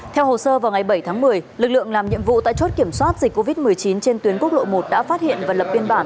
theo hồ sơ vào ngày bảy tháng một mươi lực lượng làm nhiệm vụ tại chốt kiểm soát dịch covid một mươi chín trên tuyến quốc lộ một đã phát hiện và lập biên bản